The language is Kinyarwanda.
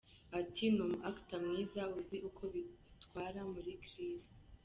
Ati “ Ni umu actor mwiza uzi uko bitwara muri clip.